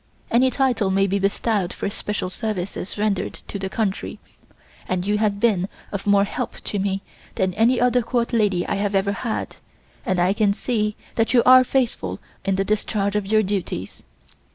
Any title may be bestowed for special services rendered to the country and you have been of more help to me than any other Court lady I have ever had, and I can see that you are faithful in the discharge of your duties.